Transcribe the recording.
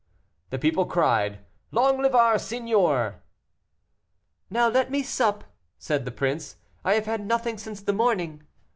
The people cried, "Long live our seigneur." "Now let me sup," said the prince, "I have had nothing since the morning."